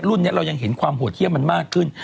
นี้เรายังเห็นความโหดเยี่ยมมันมากขึ้น